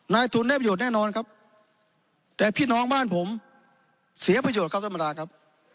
นายทุนได้ประโยชน์แน่นอนครับแต่พี่น้องบ้านผมเสียประโยชน์ครับท่านประธานครับ